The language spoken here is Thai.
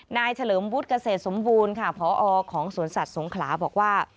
เฉลิมวุฒิเกษตรสมบูรณ์ค่ะพอของสวนสัตว์สงขลาบอกว่า